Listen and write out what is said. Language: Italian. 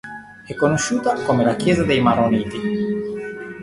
È conosciuta come la chiesa dei Maroniti.